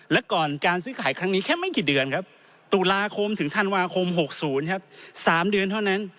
และก่อนการซื้อขายครั้งนี้แค่ไม่กี่เดือนครับตุลาคมถึงธันวาคม๖๐ครับ๓เดือนเท่านั้น